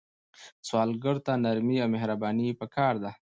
سوالګر ته نرمي او مهرباني پکار ده